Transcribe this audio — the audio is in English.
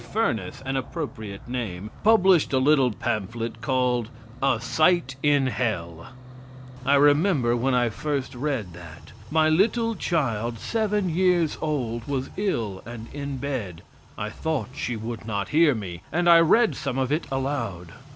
Furness (an appropriate name) published a little pamphlet called "A Sight in Hell." I remember when I first read that. My little child, seven years old, was ill and in bed. I thought she would not hear me, and I read some of it aloud.